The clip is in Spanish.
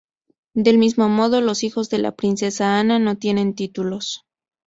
Del mismo modo, los hijos de la princesa Ana no tienen títulos.